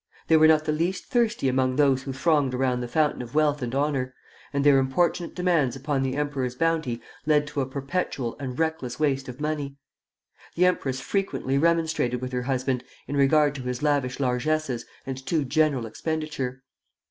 They were not the least thirsty among those who thronged around the fountain of wealth and honor; and their importunate demands upon the emperor's bounty led to a perpetual and reckless waste of money. The empress frequently remonstrated with her husband in regard to his lavish largesses and too generous expenditure.